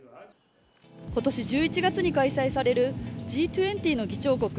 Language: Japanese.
今年１１月に開催されるＧ２０の議長国